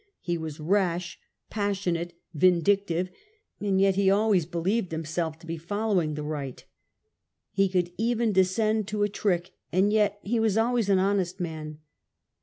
He was rash, passionate, vindictive; and yet he always believed himself to be following the right. He could even descend to a trick, and yet he was always an honest man.